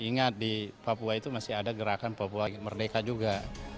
ingat di papua itu masih ada gerakan papua merdeka juga